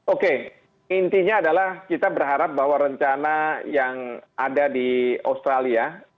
oke intinya adalah kita berharap bahwa rencana yang ada di australia